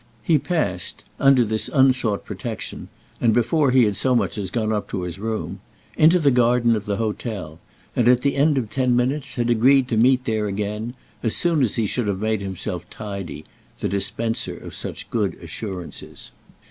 He passed, under this unsought protection and before he had so much as gone up to his room, into the garden of the hotel, and at the end of ten minutes had agreed to meet there again, as soon as he should have made himself tidy, the dispenser of such good assurances.